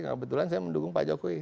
kebetulan saya mendukung pak jokowi